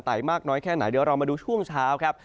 มากน้อยแค่ไหนเดี๋ยวเรามาดูช่วงเช้าครับ